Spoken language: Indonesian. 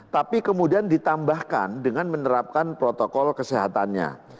tapi kemudian ditambahkan dengan menerapkan protokol kesehatannya